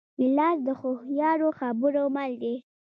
ګیلاس د هوښیارو خبرو مل دی.